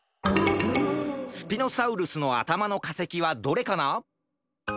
スピノサウルスのあたまのかせきはどれかな？